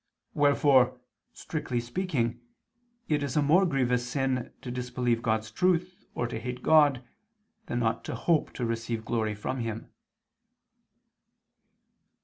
Wherefore strictly speaking it is a more grievous sin to disbelieve God's truth, or to hate God, than not to hope to receive glory from Him.